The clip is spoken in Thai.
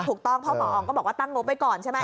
ถูกต้องเพราะหมออองก็บอกว่าตั้งงบไว้ก่อนใช่ไหม